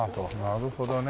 なるほどね。